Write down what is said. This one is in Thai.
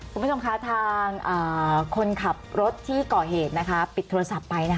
คุณผู้ชมคะทางคนขับรถที่ก่อเหตุปิดโทรศัพท์ไปนะคะ